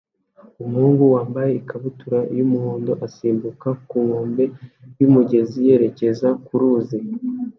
Umuhungu wambaye ikabutura y'umuhondo asimbuka ku nkombe z'umugezi yerekeza ku ruzi